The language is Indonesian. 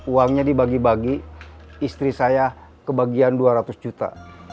uangnya dibagi bagi istri saya kebagian dua ratus juta